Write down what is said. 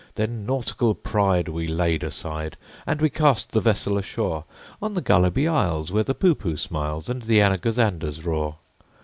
Then nautical pride we laid aside, And we cast the vessel ashore On the Gulliby Isles, where the Poohpooh smiles, And the Anagazanders roar.